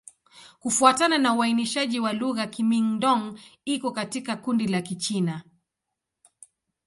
Kufuatana na uainishaji wa lugha, Kimin-Dong iko katika kundi la Kichina.